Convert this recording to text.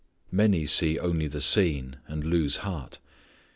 Many see only the seen, and lose heart.